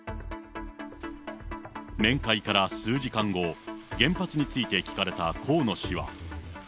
面会から数時間後、原発について聞かれた河野氏は。